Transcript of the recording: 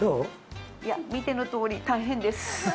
見てのとおり、大変です。